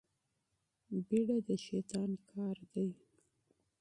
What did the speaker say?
بيړه د شيطان کار دی.